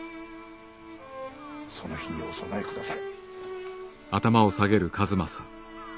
その日にお備えくだされ。